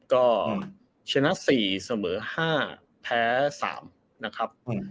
ก็ชนะ๔เสมอ๕แพ้๓นะครับ